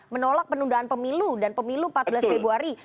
menolak penundaan pemilu dan pemilu empat belas februari